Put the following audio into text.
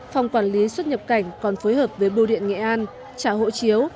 phòng quản lý xuất nhập cảnh còn phối hợp với bưu điện nghệ an trả hộ chiếu